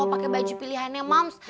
aku pake baju pilihannya mams